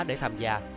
để tham gia